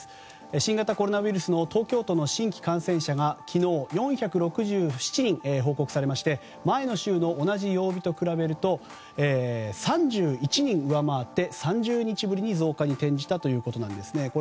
新型コロナウイルスの東京都の新規感染者が昨日、４６７人報告されまして前の週の同じ曜日と比べると３１人上回って３０日ぶりに増加に転じたということです。